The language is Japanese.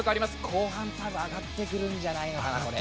後半、上がってくるんじゃないのかな。